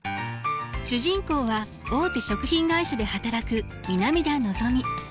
主人公は大手食品会社で働く南田のぞみ。